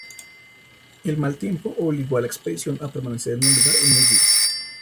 El mal tiempo obligó a la expedición a permanecer en el lugar unos días.